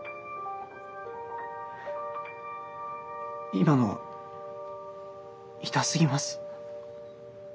今のは痛すぎます。